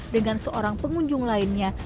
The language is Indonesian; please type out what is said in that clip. dengan seorang pengunjung lainnya